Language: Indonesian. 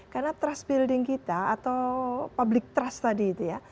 karena trust building kita atau public trust tadi itu ya